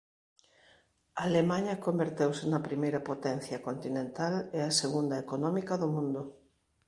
Alemaña converteuse na primeira potencia continental e a segunda económica do mundo.